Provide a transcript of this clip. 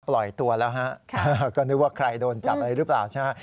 ปล่อยตัวแล้วฮะก็นึกว่าใครโดนจับอะไรหรือเปล่าใช่ไหม